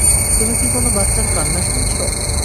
তুমি কি কোনো বাচ্চার কান্না শুনছ?